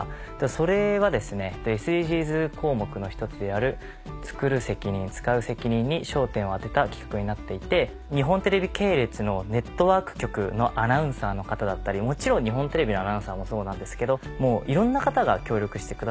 それはＳＤＧｓ項目の１つである「つくる責任・つかう責任」に焦点を当てた企画になっていて日本テレビ系列のネットワーク局のアナウンサーの方だったりもちろん日本テレビのアナウンサーもそうなんですけどいろんな方が協力してくださって。